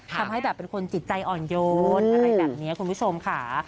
ทำให้แบบเป็นคนจิตใจอ่อนโยนอะไรแบบนี้คุณผู้ชมค่ะ